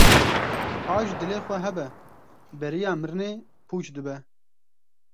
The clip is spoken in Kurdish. Hay ji dilê xwe hebe, beriya mirinê pûç dibe.